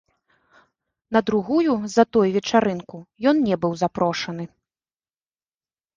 На другую за той вечарынку ён не быў запрошаны.